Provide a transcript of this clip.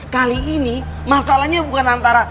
kali ini masalahnya bukan antara